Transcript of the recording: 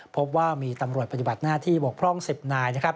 พบว่ามีตำรวจปฏิบัติหน้าที่บกพร่อง๑๐นายนะครับ